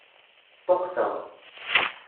Ṭṭuqteɣ.